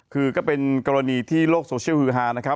คือก็เป็นกรณีที่โลกโซเชียลฮือฮานะครับ